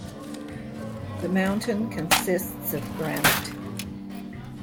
The mountain consists of granite.